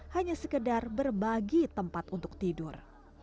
hanya sekedar berbagi tempat untuk tidur